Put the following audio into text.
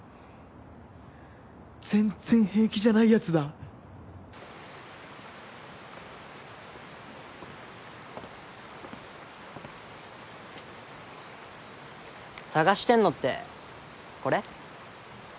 全然平気じゃないやつだ探してんのってこれ？